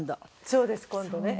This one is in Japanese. そうです今度ね。